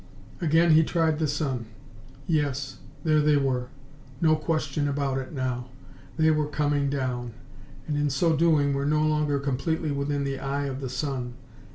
Again he tried the sun. Yes, there they were! No question about it now. They were coming down, and in so doing were no longer completely within the eye of the sun.